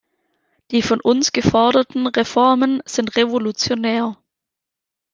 Die von uns geforderten Reformen sind revolutionär.